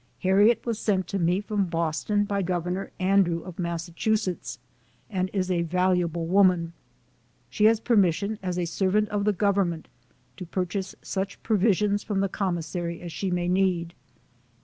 Harriet was sent to me from LIFE OF HARRIET TUBMAN. 69 Boston by Gov. Andrew of Mass., and is a valua ble woman. She has permission, as a servant of the Government, to purchase such provisions from the Commissary as she may need.